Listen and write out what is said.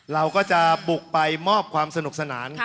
เราก็จะบุกไปมอบความสนุกสนาน